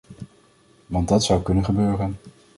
Want dat zou kunnen gebeuren.